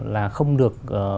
là không được